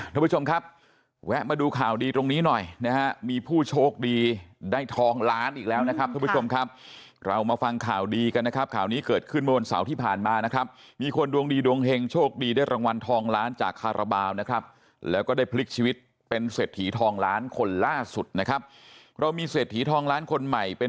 ท่านผู้ชมครับแวะมาดูข่าวดีตรงนี้หน่อยนะฮะมีผู้โชคดีได้ทองล้านอีกแล้วนะครับท่านผู้ชมครับเรามาฟังข่าวดีกันนะครับข่าวนี้เกิดขึ้นเมื่อวันเสาร์ที่ผ่านมานะครับมีคนดวงดีดวงเฮงโชคดีได้รางวัลทองล้านจากคาราบาลนะครับแล้วก็ได้พลิกชีวิตเป็นเศรษฐีทองล้านคนล่าสุดนะครับเรามีเศรษฐีทองล้านคนใหม่เป็น